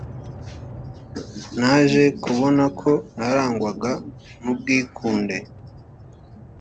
naje kubona ko narangwaga n’ubwikunde